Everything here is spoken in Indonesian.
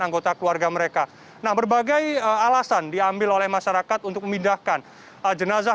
anggota keluarga mereka nah berbagai alasan diambil oleh masyarakat untuk memindahkan jenazah